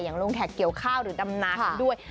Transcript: อย่างโรงแขกเกี่ยวข้าวหรือดำนาคด้วย